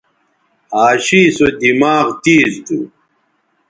عاشی سو دماغ تیز تھو